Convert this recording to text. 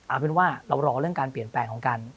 เอาเป็นว่าเรารอเรื่องการเปลี่ยนแปลงของการ